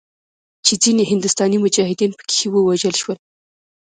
چې ځینې هندوستاني مجاهدین پکښې ووژل شول.